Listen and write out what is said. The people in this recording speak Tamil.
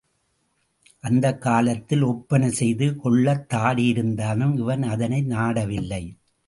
அந்தக் காலத்தில் ஒப்பனை செய்து கொள்ளத் தாடி இருந்தாலும் இவன் அதனை நாடவில்லை.